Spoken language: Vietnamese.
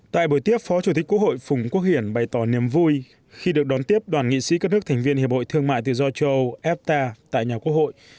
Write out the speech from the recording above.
tại buổi tiếp phó chủ tịch quốc hội phùng quốc hiển bày tỏ niềm vui khi được đón tiếp đoàn nghị sĩ các nước thành viên hiệp hội thương mại tự do châu âu efta tại nhà quốc hội